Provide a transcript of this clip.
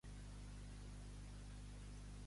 L'àlbum va ser llançat per Woollim Entertainment.